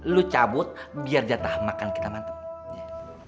lo cabut biar jatah makan kita mantep